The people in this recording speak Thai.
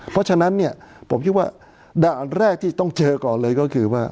เพราะฉะนั้นเนี่ยผมคิดว่าด่านแรกที่ต้องเจอก่อนเลยก็คือว่า